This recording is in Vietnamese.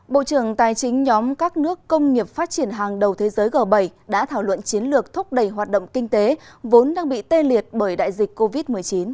bộ trưởng tài chính nhóm các nước công nghiệp phát triển hàng đầu thế giới g bảy đã thảo luận chiến lược thúc đẩy hoạt động kinh tế vốn đang bị tê liệt bởi đại dịch covid một mươi chín